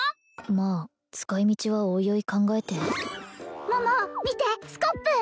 まあ使い道はおいおい考えて桃見てスコップ！